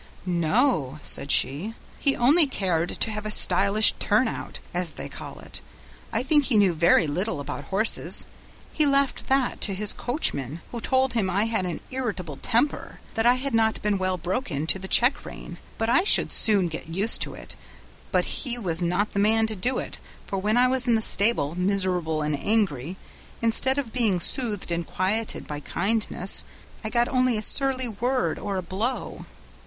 "No," said she, "he only cared to have a stylish turnout, as they call it; I think he knew very little about horses; he left that to his coachman, who told him I had an irritable temper! that I had not been well broken to the check rein, but I should soon get used to it; but he was not the man to do it, for when I was in the stable, miserable and angry, instead of being smoothed and quieted by kindness, I got only a surly word or a blow.